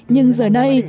nhưng giờ đây